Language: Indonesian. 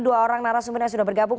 dua orang narasumber yang sudah bergabung